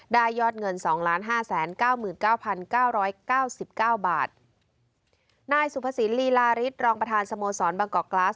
ยอดเงินสองล้านห้าแสนเก้าหมื่นเก้าพันเก้าร้อยเก้าสิบเก้าบาทนายสุภสินลีลาริสรองประธานสโมสรบางกอกกลาส